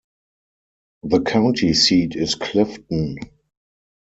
The county seat is Clifton.